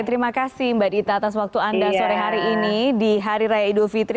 terima kasih mbak dita atas waktu anda sore hari ini di hari raya idul fitri